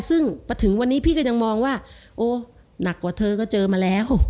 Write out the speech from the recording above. ซึ่งมาถึงวันนี้พี่ก็ยังมองว่าโอ้หนักกว่าเธอก็เจอมาแล้ว